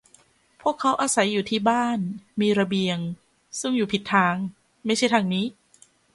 พวกเขาอาศัยอยู่ที่บ้าน มีระเบียง ซึ่งอยู่ผิดทาง ไม่ใช่ทางนี้